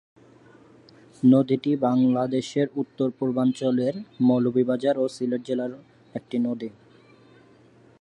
নদীটি বাংলাদেশের উত্তর-পূর্বাঞ্চলের মৌলভীবাজার ও সিলেট জেলার একটি নদী।